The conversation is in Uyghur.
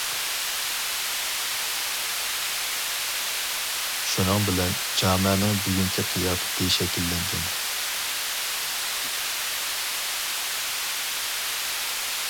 شۇنىڭ بىلەن، جامەنىڭ بۈگۈنكى قىياپىتى شەكىللەنگەن.